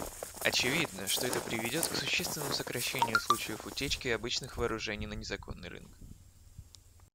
Очевидно, что это приведет к существенному сокращению случаев утечки обычных вооружений на незаконный рынок.